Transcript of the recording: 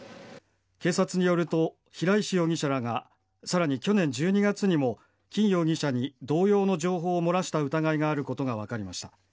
警察によると平石容疑者らがさらに去年１２月にも金容疑者に同様の情報を漏らした疑いがあることが分かりました。